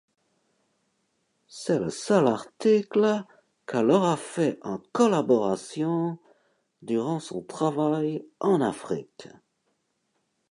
C’est le seul article qu’elle aura fait en collaboration durant son travail en Afrique.